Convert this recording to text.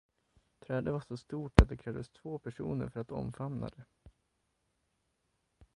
Trädet var så stort att de krävdes två personer för att omfamna det.